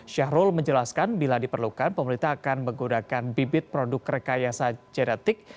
syahrul menjelaskan bila diperlukan pemerintah akan menggunakan bibit produk rekayasa genetik